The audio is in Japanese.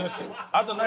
あと何？